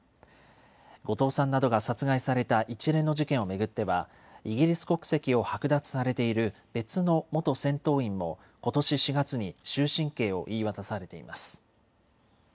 後藤さんなどが殺害された一連の事件を巡ってはイギリス国籍を剥奪されている別の元戦闘員もことし４月に終身刑を言い渡されています。